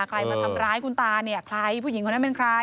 ใครมาทำร้ายคุณตาเนี่ยใครผู้หญิงคนนั้นเป็นใคร